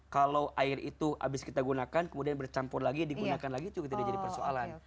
kalau air itu habis kita gunakan kemudian bercampur lagi digunakan lagi juga tidak jadi persoalan